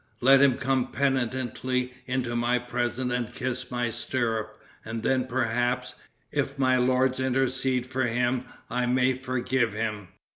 Let him come penitently into my presence and kiss my stirrup, and then perhaps, if my lords intercede for him, I may forgive him."